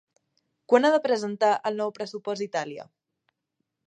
Quan ha de presentar el nou pressupost Itàlia?